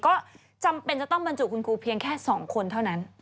ก็จำเป็นจะต้องบรรจุคุณครูเพียงแค่๒คนเท่านั้น